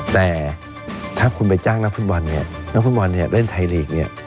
แต่ถ้าคุณไปจ้างนักฟุตบอลเนี่ยนักฟุตบอลเนี่ยเล่นไทยลีกเนี่ย